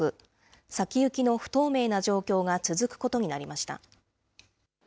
先行きの不透明な状況が続くことになりました。